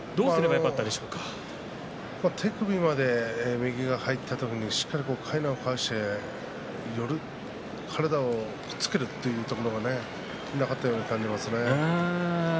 手首まで右が入っていたところ左かいなを返して体をつけるというところがなかったように感じますね。